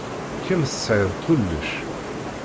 Kemm tesɛiḍ kullec.